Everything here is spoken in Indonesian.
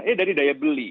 ya dari daya beli